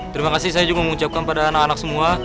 terima kasih saya juga mengucapkan pada anak anak semua